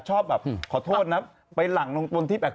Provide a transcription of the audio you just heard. ชอบขอโทษนะไปหลังตัวที่แบบ